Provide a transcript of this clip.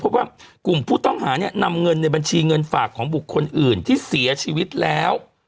พบว่ากลุ่มผู้ต้องหาเนี่ยนำเงินในบัญชีเงินฝากของบุคคลอื่นที่เสียชีวิตแล้ว